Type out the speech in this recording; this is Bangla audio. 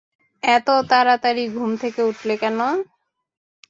এত তাড়াতাড়ি ঘুম থেকে উঠলে কেন?